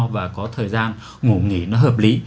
và có thời gian ngủ nghỉ nó hợp lý